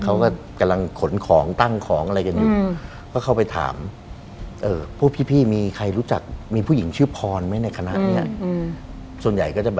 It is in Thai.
เขาก็กำลังขนของตั้งของอะไรกันอยู่